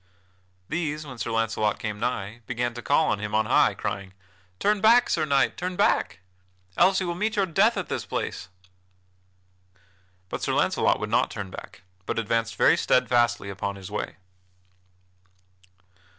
These, when Sir Launcelot came nigh, began to call to him on high, crying: "Turn back, Sir Knight! Turn back! Else you will meet your death at this place." But Sir Launcelot would not turn back, but advanced very steadfastly upon his way.